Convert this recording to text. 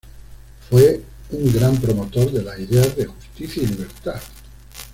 Fue un gran promotor de las ideas de justicia y libertad.